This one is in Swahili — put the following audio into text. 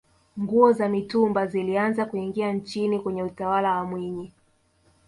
nguo za mitumba zilianza kuingia nchini kwenye utawala wa mwinyi